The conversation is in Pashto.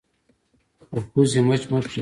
په پوزې مچ مه پرېږده